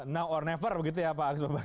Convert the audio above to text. no or never begitu ya pak agus mbak bagio